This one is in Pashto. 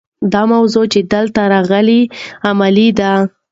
دا موضوع چې دلته راغلې علمي ده.